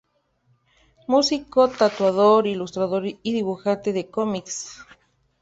Músico, tatuador, ilustrador y dibujante de cómics.